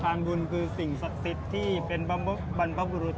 บุญคือสิ่งศักดิ์สิทธิ์ที่เป็นบรรพบุรุษ